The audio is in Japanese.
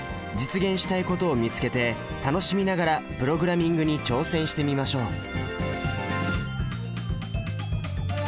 実現したいことを見つけて楽しみながらプログラミングに挑戦してみましょう。